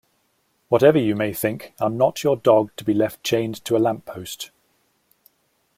Whatever you may think I'm not your dog to be left chained to a lamppost.